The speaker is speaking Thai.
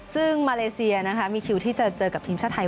ซึ่งมาเลเซียนะคะมีคิวที่จะเจอกับทีมชาติไทย